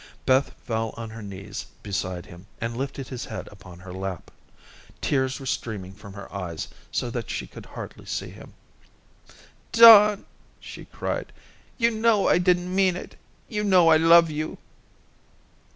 Beth fell on her knees beside him, and lifted his head upon her lap. Tears were streaming from her eyes so that she could hardly see him. "Don," she cried, "you know I didn't mean it. You know I love you."